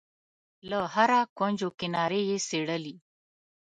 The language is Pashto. له هره کونج و کناره یې څېړلې.